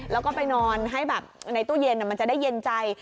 แล้วก็ไปนอนให้แบบในตู้เย็นมันจะได้เย็นใจ